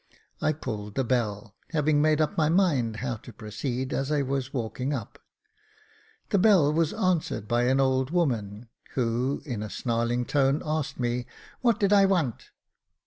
I pulled the bell, having made up my mind how to proceed as I was walking up. The bell was answered by an old woman, who, in a snarling tone, asked me " what did I want